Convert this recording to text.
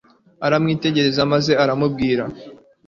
aramwitegereza maze aramubwira